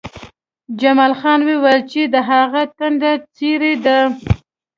جمال خان وویل چې د هغه ټنډه څیرې ده